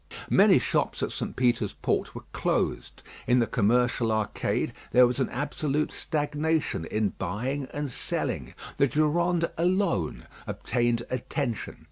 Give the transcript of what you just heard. Many shops at St. Peter's Port were closed. In the Commercial Arcade there was an absolute stagnation in buying and selling. The Durande alone obtained attention.